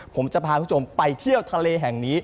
ผมจะพาคุณผู้ชมไปเที่ยวทะเลแห่งนี้